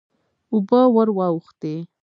اوبه ور واوښتې.